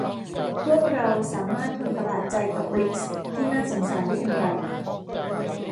พวกเราสามารถทนประหลาดใจกับริกซ์ที่น่าสงสารได้อย่างไร